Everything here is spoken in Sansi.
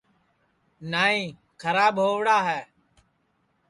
نائی کھراب ہؤڑا ہے